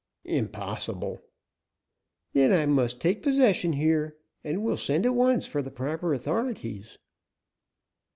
"Impossible." "Then I must take possession here, and will send at once for the proper authorities."